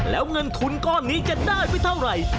แล้วเงินทุนก้อนนี้จะได้ไปเท่าไหร่